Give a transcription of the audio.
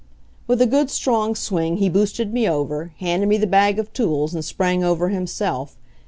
With a good, strong swing he boosted me over, handed me the bag of tools and sprang over himself....